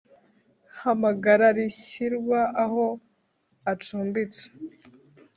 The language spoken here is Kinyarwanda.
Hamagara rishyirwa aho acumbitse